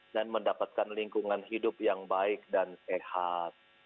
dan mendapatkan lingkungan hidup yang baik dan sehat